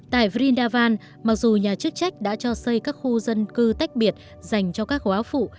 tại rindavan mặc dù nhà chức trách đã cho xây các khu dân cư tách biệt dành cho các hóa phụ